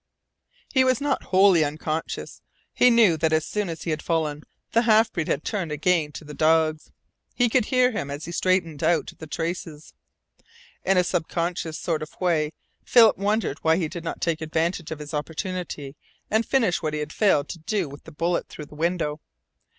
He was not wholly unconscious. He knew that as soon as he had fallen the half breed had turned again to the dogs. He could hear him as he straightened out the traces. In a subconscious sort of way, Philip wondered why he did not take advantage of his opportunity and finish what he had failed to do with the bullet through the window.